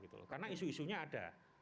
karena isu isunya ada